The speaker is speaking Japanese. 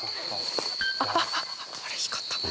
あっ光った。